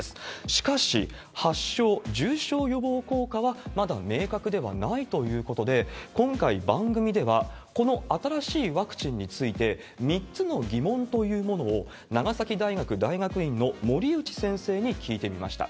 しかし、発症・重症予防効果はまだ明確ではないということで、今回、番組では、この新しいワクチンについて、３つの疑問というものを、長崎大学大学院の森内先生に聞いてみました。